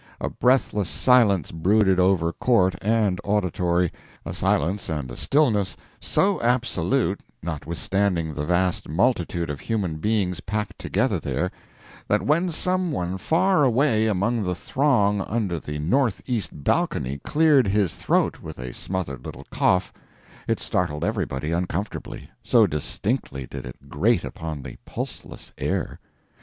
A breathless silence brooded over court and auditory a silence and a stillness so absolute, notwithstanding the vast multitude of human beings packed together there, that when some one far away among the throng under the northeast balcony cleared his throat with a smothered little cough it startled everybody uncomfortably, so distinctly did it grate upon the pulseless air.